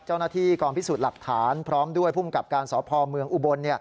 เจ้าหน้าที่กองพิสูจน์หลักฐานพร้อมด้วยภูมิกับการสพเมืองอุบล